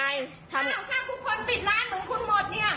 ถ้าทุกคนปิดร้านหนุ่มคุณหมด